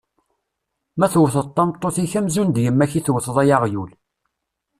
Ma tewteḍ tameṭṭut-ik amzun d yemma-k i tewteḍ, ay aɣyul.